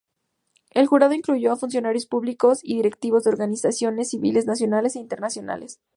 El jurado incluyó a funcionarios públicos y directivos de organizaciones civiles nacionales e internacionales.